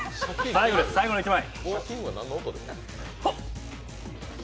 最後の１枚。